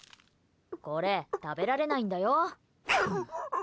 これ、食べられないんだよ！